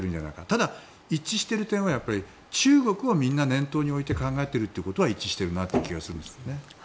ただ、一致している点は中国をみんな念頭に置いて考えているということは一致している気がするんです。